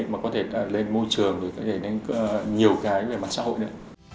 mà có thể lên môi trường có thể đến nhiều cái về mặt xã hội nữa